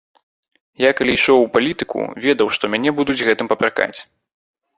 Я калі ішоў ў палітыку, ведаў, што мяне будуць гэтым папракаць.